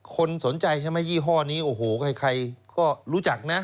คนสนใจใช่ไหมยี่ห้อนี้โอ้โหใครก็รู้จักนะ